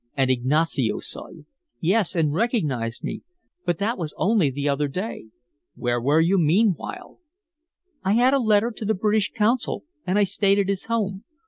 "And Ignacio saw you?" "Yes, and recognized me. But that was only the other day." "Where were you meanwhile?" "I had a letter to the British consul, and I stayed at his home.